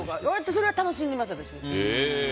それは楽しんでます、私。